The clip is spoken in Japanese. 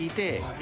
え？